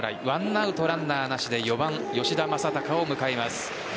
１アウトランナーなしで４番・吉田正尚を迎えます。